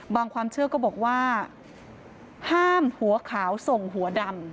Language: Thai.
ความเชื่อก็บอกว่าห้ามหัวขาวส่งหัวดำ